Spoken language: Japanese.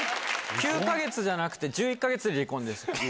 ９か月じゃなくて、１１か月で離婚です。